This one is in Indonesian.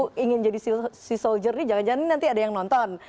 karena kita ingin jadi sea soldier ini jangan jangan nanti ada yang nonton